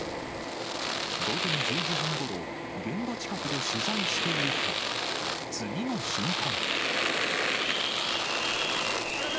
午前１０時半ごろ、現場近くで取材していると、次の瞬間。